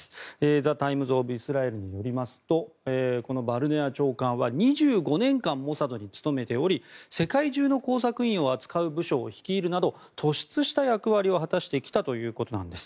ザ・タイムズ・オブ・イスラエルによりますとこのバルネア長官は２５年間、モサドに勤めており世界中の工作員を扱う部署を率いるなど突出した役割を果たしてきたということです。